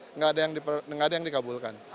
tidak ada yang dikabulkan